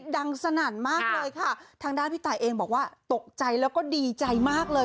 สนั่นมากเลยค่ะทางด้านพี่ตายเองบอกว่าตกใจแล้วก็ดีใจมากเลย